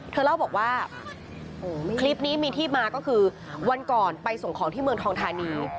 เธอเล่าบอกว่าคลิปนี้มีที่มาก็คือวันก่อนไปส่งของที่เมืองทองธานี